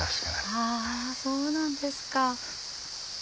あそうなんですか。